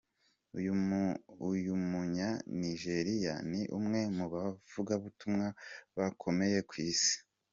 Uyu munya Nijeriya ni umwe mu bavugabutumwa bakomeye ku isi.